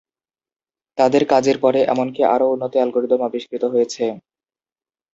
তাদের কাজের পরে, এমনকি আরো উন্নত অ্যালগরিদম আবিষ্কৃত হয়েছে।